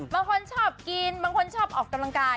บางคนชอบกินบางคนชอบออกกำลังกาย